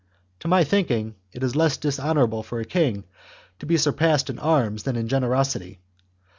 To my thinking, it is less dishonourable for a king to be surpassed in arms than in generosity.